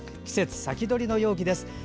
季節先取りの陽気です。